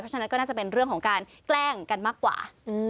ฉะนั้นก็น่าจะเป็นเรื่องของการแกล้งกันมากกว่า